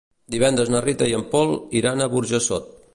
Divendres na Rita i en Pol iran a Burjassot.